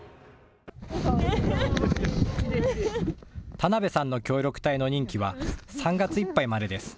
田鍋さんの協力隊の任期は３月いっぱいまでです。